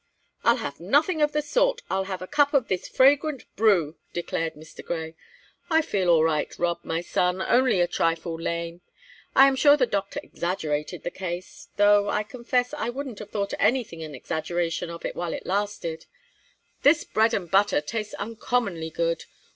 "I'll have nothing of the sort; I'll have a cup of this fragrant brew," declared Mr. Grey. "I feel all right, Rob, my son, only a trifle lame. I am sure the doctor exaggerated the case, though I confess I wouldn't have thought anything an exaggeration of it while it lasted. This bread and butter tastes uncommonly good!